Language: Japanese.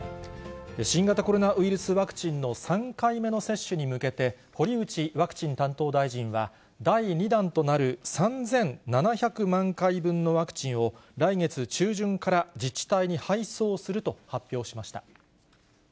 新型コロナウイルスワクチンの３回目の接種に向けて、堀内ワクチン担当大臣は、第２弾となる３７００万回分のワクチンを、来月中旬から自治体に配送すると発表しました。